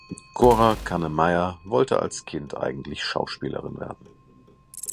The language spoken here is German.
Cora Canne Meijer wollte als Kind eigentlich Schauspielerin werden.